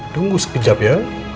tunggu sekejap ya